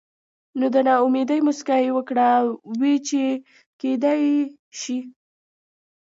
نو د نا امېدۍ مسکا يې وکړه وې چې کېدے شي